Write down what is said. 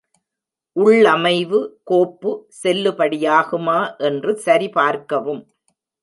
உள்ளமைவு கோப்பு செல்லுபடியாகுமா என்று சரிபார்க்கவும்.